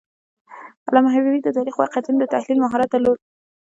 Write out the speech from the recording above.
علامه حبیبي د تاریخي واقعیتونو د تحلیل مهارت درلود.